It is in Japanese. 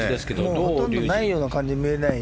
ほとんどないような感じに見えない？